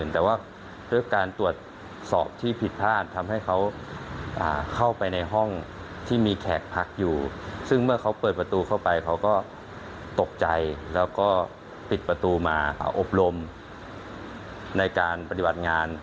ตกใจแล้วก็ปิดประตูมาอบรมในการปฏิบัติงาน